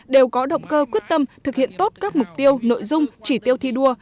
đều có động cơ quyết tâm thực hiện tốt các mục tiêu nội dung chỉ tiêu thi đua